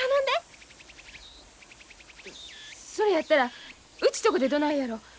それやったらうちとこでどないやろ？